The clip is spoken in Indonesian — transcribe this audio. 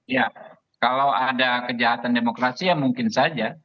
ya kalau ada kejahatan demokrasi ya mungkin saja